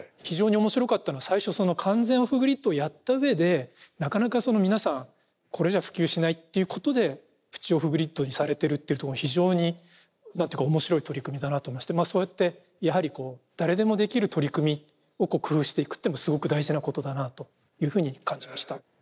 非常に面白かったのは最初完全オフグリッドをやったうえでなかなか皆さんこれじゃ普及しないっていうことでプチオフグリッドにされてるというところ非常に何て言うか面白い取り組みだなと思いましてそうやってやはりこう誰でもできる取り組みを工夫していくってのもすごく大事なことだなというふうに感じました。